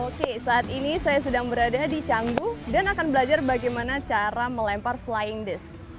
oke saat ini saya sedang berada di canggu dan akan belajar bagaimana cara melempar flying disk